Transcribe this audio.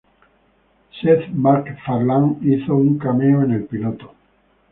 Seth MacFarlane hizo un cameo en el piloto.